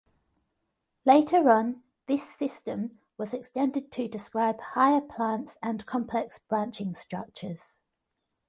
Later on, this system was extended to describe higher plants and complex branching structures.